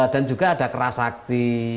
dan juga ada kerasakti